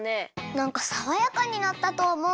なんかさわやかになったとおもう。